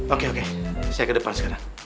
oke oke saya ke depan sekarang